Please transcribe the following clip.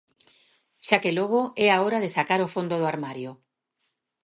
Xa que logo, é a hora de sacar o fondo do armario.